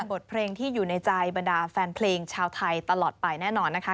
บทเพลงที่อยู่ในใจบรรดาแฟนเพลงชาวไทยตลอดไปแน่นอนนะคะ